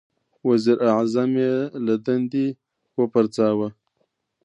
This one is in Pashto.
• وزیر اعظم یې له دندې وپرځاوه.